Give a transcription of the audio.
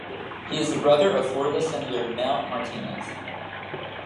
He is the brother of Florida Senator Mel Martinez.